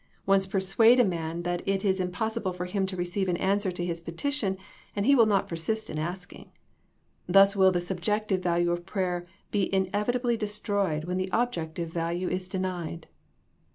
Once persuade a man that it is im possible for him to receive an answer to his peti tion and he will not persist in asking. Thus will the subjective value of prayer be inevitably destroyed when the objective value is denied.